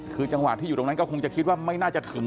คือจังหวะที่อยู่ตรงนั้นก็คงจะคิดว่าไม่น่าจะถึง